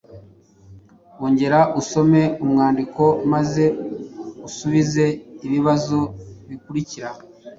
Ongera usome umwandiko maze usubize ibibazo bikurikira: